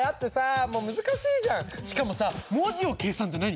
しかもさ文字を計算って何？